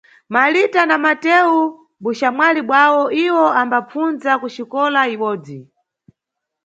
Malita na Matewu mbuxamwali bwawo, iwo ambapfundza kuxikola ibodzi